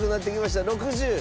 ６０。